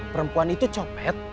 perempuan itu copet